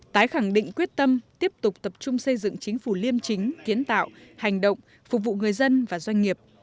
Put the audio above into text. tái khẳng định quyết tâm tiếp tục tập trung xây dựng chính phủ liêm chính kiến tạo hành động phục vụ người dân và doanh nghiệp